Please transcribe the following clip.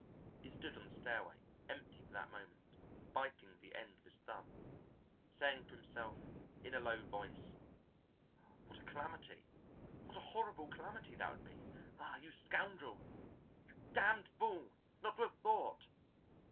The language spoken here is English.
He stood on the stairway, empty for that moment, biting the end of his thumb, saying to himself in a low voice: "What a calamity, what a horrible calamity that would be! Ah, you scoundrel! You damned fool, not to have thought!"